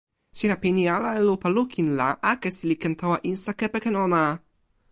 sina pini ala e lupa lukin la akesi li ken tawa insa kepeken ona.